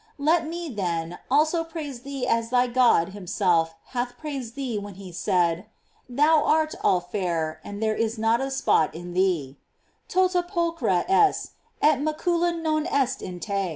Let me, then, also praise thee as thy God himself hath praised thee when he said: Thou art all fair, and there is not a spot in thee: "Tota pulchra es et macula non est in te."